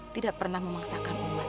tidak pernah memaksakan umat